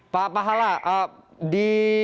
pak pahala di